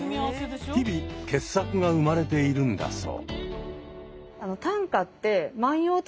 日々傑作が生まれているんだそう。